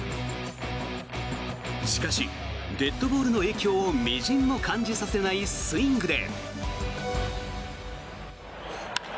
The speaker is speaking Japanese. しかし、デッドボールの影響を微塵も感じさせないスイングで。